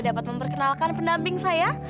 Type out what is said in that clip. dapat memperkenalkan pendamping saya